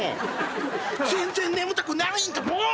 全然眠たくないんだもん！